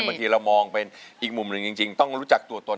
บางทีเรามองเป็นอีกมุมหนึ่งจริงต้องรู้จักตัวตน